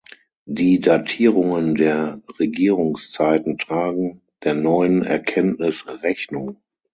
Die Datierungen der Regierungszeiten tragen der neuen Erkenntnis Rechnung.